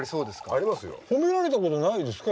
褒められたことないですか？